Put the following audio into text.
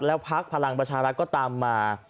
แล้วพักพลังประชารัฐก็ตามมา